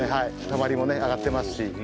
たまりもね上がってますし。